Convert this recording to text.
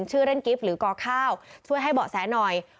ชื่อเล่นกิฟต์หรือกอข้าวช่วยให้เบาะแสหน่อย